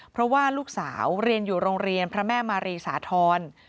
เพราะว่าลูกสาวเรียนอยู่โรงเรียนพระแม่มารีสาธรณ์